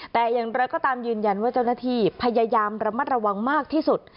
แต่อย่างไรก็ตามยืนยันว่าเจ้าหน้าที่พยายามระมัดระวังมากที่สุด